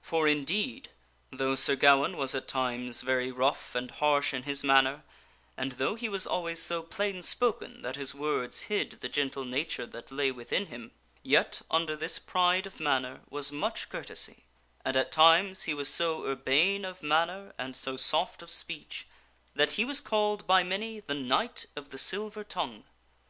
For indeed, though Sir Gawaine was at times very rough and harsh in his manner, and though he was always so plain spoken that his words hid the gentle nature that lay within him, yet, under this pride of manner, was much courtesy ; and at times he was so urbane of manner and so soft of speech that he was called by many the Knight of the Silver Tongue.